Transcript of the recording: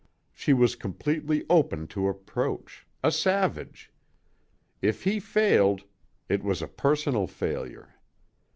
She was completely open to approach, a savage. If he failed, it was a personal failure.